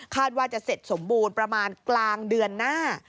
ว่าจะเสร็จสมบูรณ์ประมาณกลางเดือนหน้า